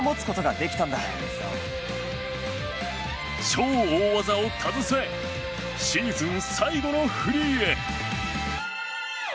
超大技を携えシーズン最後のフリーへ。